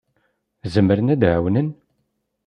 Zemren ad d-ɛawnen.